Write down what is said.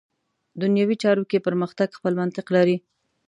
دنیوي چارو کې پرمختګ خپل منطق لري.